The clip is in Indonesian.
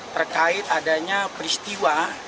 terkait adanya peristiwa